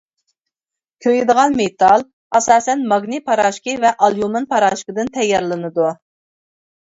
كۆيىدىغان مېتال ئاساسەن ماگنىي پاراشوكى ۋە ئاليۇمىن پاراشوكىدىن تەييارلىنىدۇ.